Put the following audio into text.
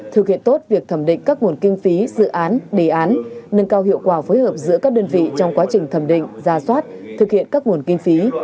thực hiện tốt việc thẩm định các nguồn kinh phí dự án đề án nâng cao hiệu quả phối hợp giữa các đơn vị trong quá trình thẩm định gia soát thực hiện các nguồn kinh phí